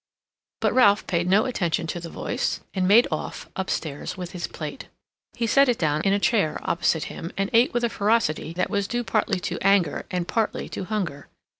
but Ralph paid no attention to the voice, and made off upstairs with his plate. He set it down in a chair opposite him, and ate with a ferocity that was due partly to anger and partly to hunger.